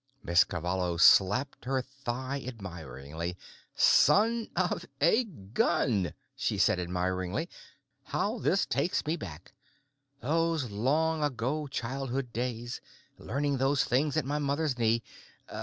Miss Cavallo slapped her thigh admiringly. "Son of a gun," she said admiringly. "How this takes me back—those long ago childhood days, learning these things at my mother's knee.